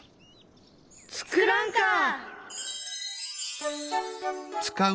ツクランカー！